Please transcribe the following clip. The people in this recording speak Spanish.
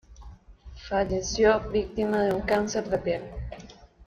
Falleció víctima de un cáncer de piel.